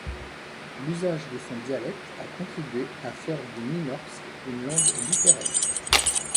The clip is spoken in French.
L’usage de son dialecte a contribué à faire du nynorsk une langue littéraire.